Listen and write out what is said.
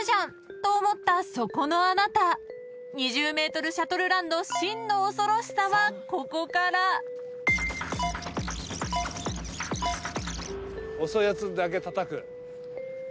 ［と思ったそこのあなた２０ｍシャトルランの真の恐ろしさはここから］遅いやつだけたたく。